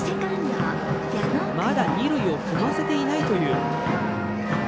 まだ二塁を踏ませていないという。